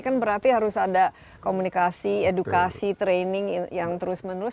kan berarti harus ada komunikasi edukasi training yang terus menerus